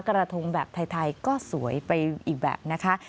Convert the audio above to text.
กระทงแบบไทยก็สวยไปอีกแบบนะคะ